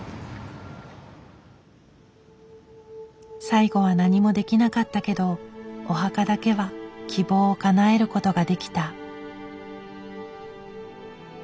最後は何もできなかったけどお墓だけは希望をかなえることができた。